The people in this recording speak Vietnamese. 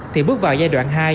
thì bước vào giai đoạn hai